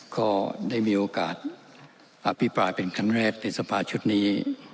ก็ได้มีโอกาสอภิปรายเป็นครั้งแรกในสภาชุดนี้